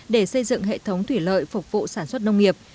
để xây dựng hệ thống thủy lợi phục vụ sản xuất nông nghiệp